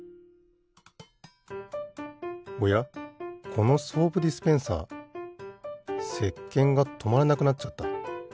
このソープディスペンサーせっけんがとまらなくなっちゃった。